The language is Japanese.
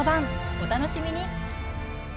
お楽しみに。